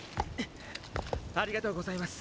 っありがとうございます。